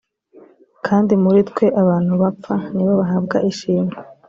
kandi muri twe abantu bapfa ni bo bahabwa ishimwe.